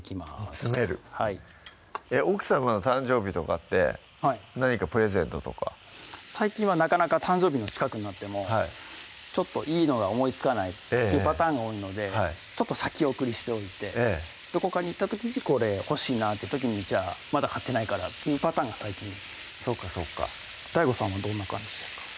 煮詰めるはい奥さまの誕生日とかって何かプレゼントとか最近はなかなか誕生日の近くになってもちょっといいのが思いつかないというパターンが多いのでちょっと先送りしておいてどこかに行った時にこれ欲しいなって時にじゃあまだ買ってないからっていうパターンが最近そうかそうかＤＡＩＧＯさんはどんな感じですか？